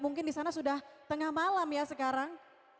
mungkin di sana sudah tengah malam ya sekarang